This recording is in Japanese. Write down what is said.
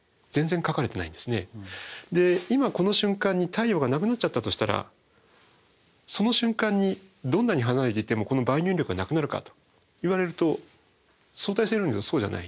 今この瞬間に太陽がなくなっちゃったとしたらその瞬間にどんなに離れていてもこの万有引力がなくなるかと言われると相対性理論じゃそうじゃない。